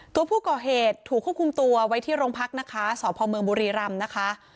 ตัวผู้ก่อเหตุถูกควบคุมตัวไว้ที่โรงพักนะคะสพเมืองบุรีรำนะคะ